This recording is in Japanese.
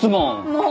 もう！